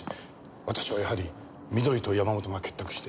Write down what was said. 私はやはり美登里と山本が結託して。